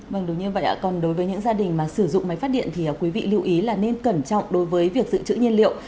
vâng đúng như vậy còn đối với những gia đình mà sử dụng máy phát điện thì quý vị lưu ý là nên cẩn trọng đối với việc dự trữ nhiên liệu